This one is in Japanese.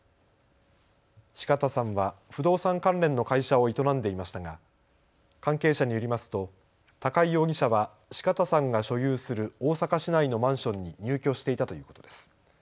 四方さんは不動産関連の会社を営んでいましたが関係者によりますと高井容疑者は四方さんが所有する大阪市内のマンションに入居していたということです。